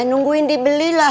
nungguin dibeli lah